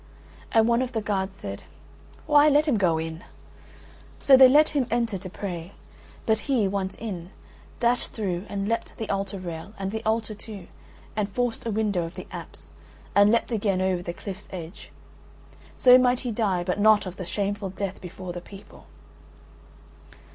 And one of the guards said: "Why, let him go in." So they let him enter to pray. But he, once in, dashed through and leapt the altar rail and the altar too and forced a window of the apse, and leapt again over the cliff's edge. So might he die, but not of that shameful death before the people.